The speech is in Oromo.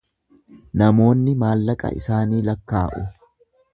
Namoonni maallaqa isaanii lakkaa’u.